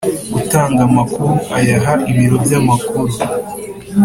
Utanga amakuru ayaha ibiro by amakuru